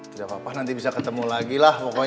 tidak apa apa nanti bisa ketemu lagi lah pokoknya